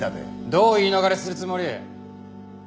どう言い逃れするつもり？